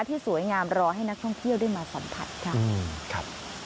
ที่สวยงามรอให้นักท่องเที่ยวได้มาสัมผัสค่ะ